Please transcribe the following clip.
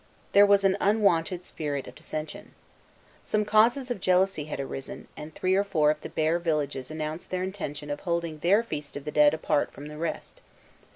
There was an unwonted spirit of dissension. Some causes of jealousy had arisen, and three or four of the Bear villages announced their intention of holding their Feast of the Dead apart from the rest.